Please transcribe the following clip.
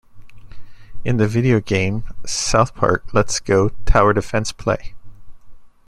In the video game South Park Let's Go Tower Defense Play!